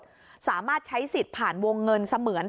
สามารถใช้สิทธิ์ผ่านวงเงินเสมือน